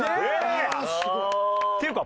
っていうか